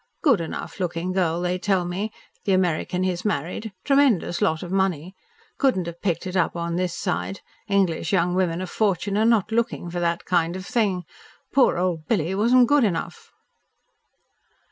Good enough looking girl, they tell me the American he has married tremendous lot of money. Couldn't have picked it up on this side. English young women of fortune are not looking for that kind of thing. Poor old Billy wasn't good enough."